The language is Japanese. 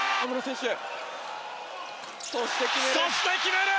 そして、決める！